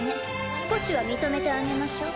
少しは認めてあげましょう。